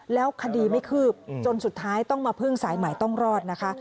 แล้วคดีไม่คืบจนสุดท้ายต้องมาพึ่งสายใหม่ต้องรอดนะคะ